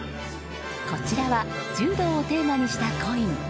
こちらは柔道をテーマにしたコイン。